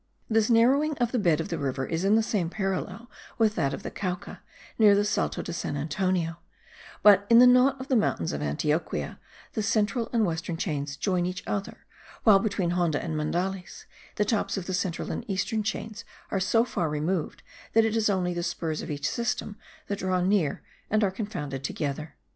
This narrowing of the bed of the river is in the same parallel with that of the Cauca, near the Salto de San Antonio; but, in the knot of the mountains of Antioquia the central and western chains join each other, while between Honda and Mendales, the tops of the central and eastern chains are so far removed that it is only the spurs of each system that draw near and are confounded together.